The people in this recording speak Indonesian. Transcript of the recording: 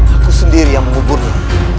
aku sendiri yang menguburnya